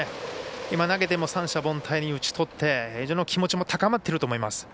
今投げて三者凡退に打ちとって気持ちも高まっていると思います。